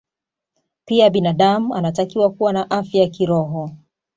Pia binadamu anatakiwa kuwa na afya ya kiroho